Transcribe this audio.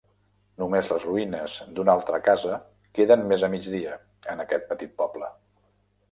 Només les ruïnes d'una altra casa queden més a migdia, en aquest petit poble.